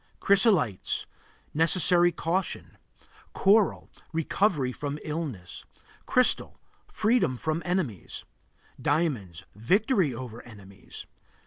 Chrysolites Necessary caution. Coral Recovery from illness. Crystal Freedom from enemies. Diamonds Victory over enemies.